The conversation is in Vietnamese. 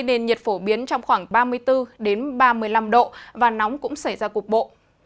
nên nhiệt phổ biến trong khoảng ba mươi bốn ba mươi năm độ và nóng cũng xảy ra cục bộ